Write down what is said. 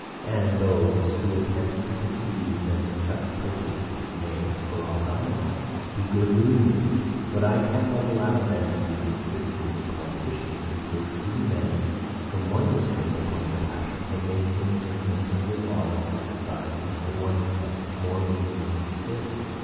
And, those, who attempt to disabuse them of such prejudices, may, for aught I know, be good reasoners, but I cannot allow them to be good citizens and politicians; since they free men from one restraint upon their passions, and make the infringement of the laws of society, in one respect, more easy and secure.